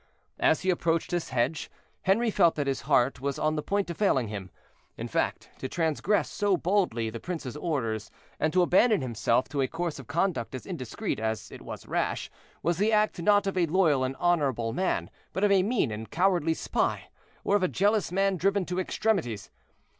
As he approached this hedge, Henri felt that his heart was on the point of failing him. In fact, to transgress so boldly the prince's orders, and to abandon himself to a course of conduct as indiscreet as it was rash, was the act, not of a loyal and honorable man, but of a mean and cowardly spy, or of a jealous man driven to extremities.